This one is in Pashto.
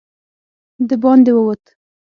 د باندې ووت.